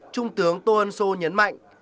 trung tướng tô ân sô nhấn mạnh